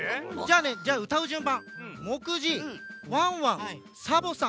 じゃあうたうじゅんばん！もくじいワンワンサボさん